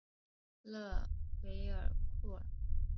勒韦尔库尔。